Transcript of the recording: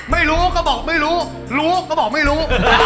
ไม่รู้ก็บอกไม่รู้รู้ก็บอกไม่รู้